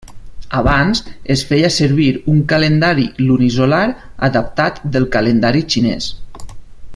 Abans, es feia servir un calendari lunisolar adaptat del calendari xinès.